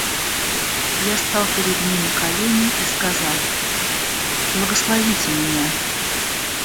Я стал перед ней на колени и сказал: — Благословите меня.